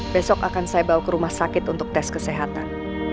besok akan saya bawa ke rumah sakit untuk tes kesehatan